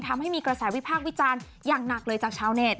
ทำให้มีกระแสวิพากษ์วิจารณ์อย่างหนักเลยจากชาวเน็ต